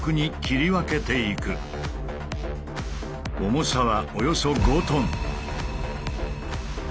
重さはおよそ５ｔ。